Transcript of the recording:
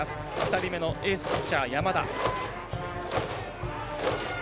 ２人目のエースピッチャー、山田。